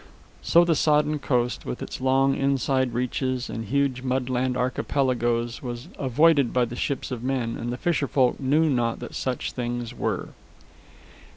So the sodden coast, with its long inside reaches and huge mud land archipelagoes, was avoided by the ships of men, and the fisherfolk knew not that such things were.